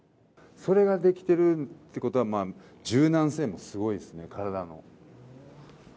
それができてるってことは柔軟性もすごいですね、体の。